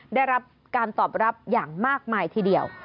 ได้รับการตอบรับอย่างมากมายทีเดียว